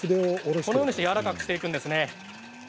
このようにしてやわらかくしていくんですね。